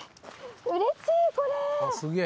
うれしい、これ。